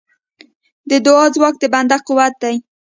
د دعا ځواک د بنده قوت دی.